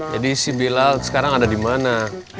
jadi si pilal sekarang ada dimana